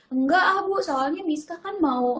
enggak ah bu soalnya miska kan mau